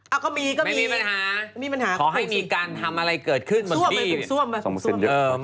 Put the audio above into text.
อ้าวก็มีก็มีไม่มีปัญหาขอให้มีการทำอะไรเกิดขึ้นบนที่นี่ส่วมไปส่วม